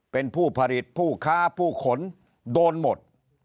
เป็นผู้ผลิตผู้ค้าผู้ขนโดนหมด